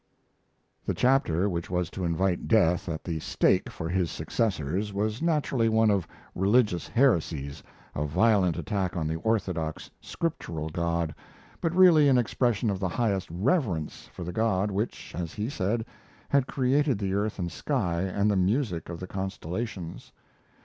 The chapter which was to invite death at the stake for his successors was naturally one of religious heresies a violent attack on the orthodox, scriptural God, but really an expression of the highest reverence for the God which, as he said, had created the earth and sky and the music of the constellations.